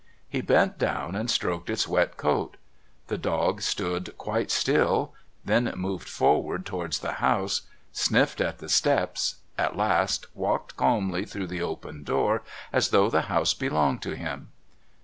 He bent down and stroked its wet coat. The dog stood quite still, then moved forward towards the house, sniffed at the steps, at last walked calmly through the open door as though the house belonged to him.